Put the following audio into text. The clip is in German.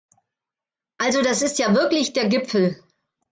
Also das ist ja wirklich der Gipfel!